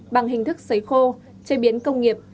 bằng hình thức xấy khô chế biến công nghiệp